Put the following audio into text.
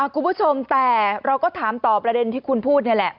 คุณผู้ชมแต่เราก็ถามต่อประเด็นที่คุณพูดนี่แหละ